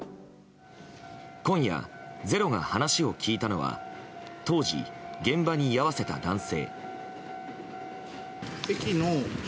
今夜「ｚｅｒｏ」が話を聞いたのは当時、現場に居合わせた男性。